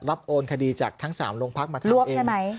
รับโอนคดีจากทั้งสามโรงพักษณ์มาทำเอง